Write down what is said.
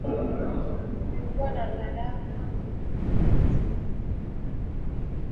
kulikuwa na gharama zinazofanana na ile ya kununua gari leo Kwa hiyo